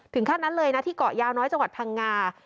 ถึงขั้นนั้นเลยนะที่เกาะยาวน้อยจังหวัดพังงา